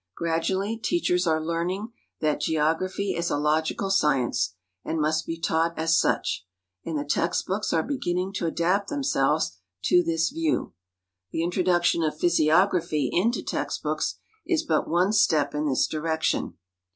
Gradually teachers are learning that geography is a logical .science, and must be taught as such, and the text books are beginning to adapt themselves to this view. The introduction of physiography into text books is but one step in this direc tion.